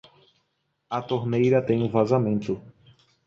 A torneira tem um vazamento.